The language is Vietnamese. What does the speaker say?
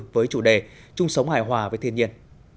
với chủ đề trung sống hải hòa với thiên nhiên